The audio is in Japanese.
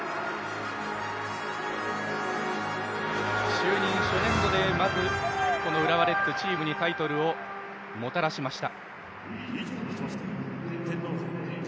就任初年度でまず、この浦和レッズチームにタイトルをもたらしました。